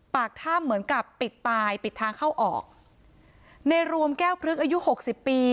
ปากถ้ำเหมือนกับปิดตายปิดทางเข้าออกในรวมแก้วพลึกอายุหกสิบปี